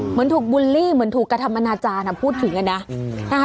เหมือนถูกบูลลี่เหมือนถูกกฤษมณจาแหลมพูดถึงเนี้ยนะ